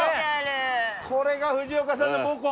これが藤岡さんの母校。